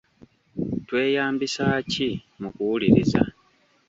Tweyambisa ki mu kuwuliriza